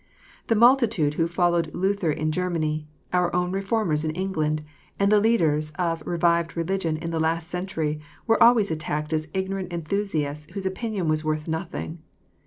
The multitude ^^ho followed Luther in Germany, our own Reform ers in England, and the leaders of revived religion in the last century, were always attacked as ignorant enthusiasts whose opinion was worth nothing.